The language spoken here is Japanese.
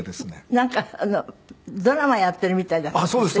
なんかドラマやっているみたいだったんだって？